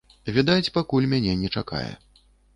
Відаць, пакуль мяне не чакае.